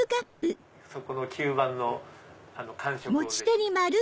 そこの吸盤の感触をぜひ。